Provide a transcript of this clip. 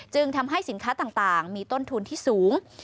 ทำให้สินค้าต่างมีต้นทุนที่สูง